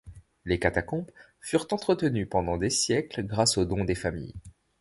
Les catacombes furent entretenues pendant des siècles grâce aux dons des familles.